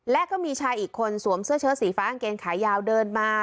และก็มีชายอีกคนสวมเสื้อเชิดสีฟ้ากางเกงขายาวเดินมา